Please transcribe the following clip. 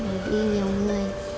hồi đi nhiều người